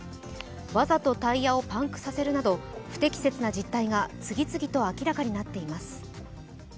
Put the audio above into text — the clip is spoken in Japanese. わざとタイヤをパンクさせるなど、不適切な実態が次々と明らかになっています。